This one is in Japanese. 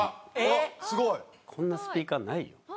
こんなスピーカーないよ。